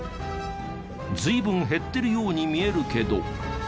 随分減ってるように見えるけど。